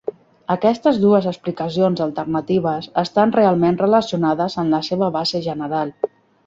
Aquestes dues explicacions alternatives estan realment relacionades en la seva base general.